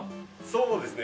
そうですね。